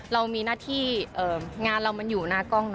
เรามีหน้าที่งานเรามันอยู่หน้ากล้อง